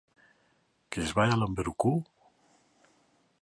Que lles vaia a lamber o cu?